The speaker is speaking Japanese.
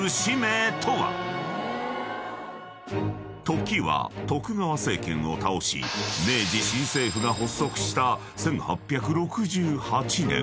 ［時は徳川政権を倒し明治新政府が発足した１８６８年］